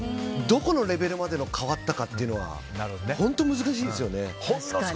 どこのレベルまでの変わったかっていうのは本当難しいですよね。